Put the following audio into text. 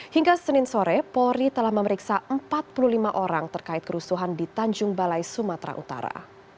hingga senin sore polri telah memeriksa empat puluh lima orang terkait kerusuhan di tanjung balai sumatera utara